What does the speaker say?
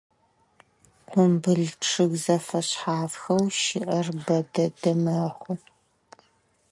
Къумбыл чъыг зэфэшъхьафхэу щыӏэр бэ дэдэ мэхъу.